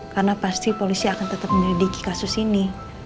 karena pasti polisi akan tetap menyelidiki kasus ini